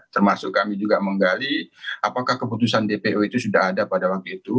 termasuk kami juga menggali apakah keputusan dpo itu sudah ada pada waktu itu